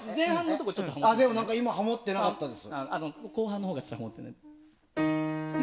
今、ハモってなかったです。